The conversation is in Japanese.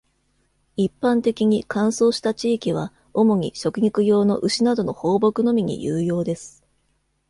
一般的に、乾燥した地域は、主に食肉用の牛などの放牧のみに有用です。